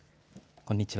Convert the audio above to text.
こんにちは。